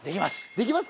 できます。